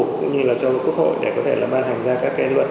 cũng như là cho quốc hội để có thể ban hành ra các luận